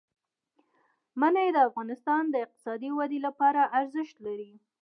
منی د افغانستان د اقتصادي ودې لپاره ارزښت لري.